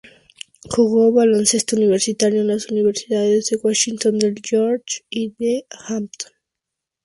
Jugó baloncesto universitario en las universidades de Washington del George y la de Hampton.